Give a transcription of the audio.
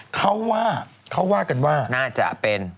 เขาว่ากันว่าน่าจะเป็น